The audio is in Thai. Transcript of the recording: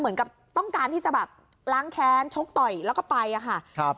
เหมือนกับต้องการที่จะแบบล้างแค้นชกต่อยแล้วก็ไปอะค่ะครับ